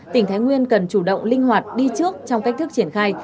tỉnh thái nguyên cần chủ động linh hoạt đi trước trong cách thức triển khai